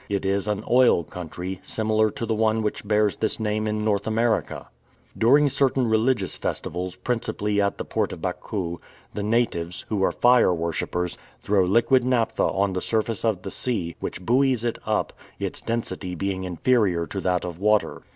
It is an "oil country," similar to the one which bears this name in North America. During certain religious festivals, principally at the port of Bakou, the natives, who are fire worshipers, throw liquid naphtha on the surface of the sea, which buoys it up, its density being inferior to that of water.